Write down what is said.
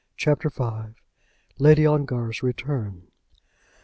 CHAPTER V. LADY ONGAR'S RETURN.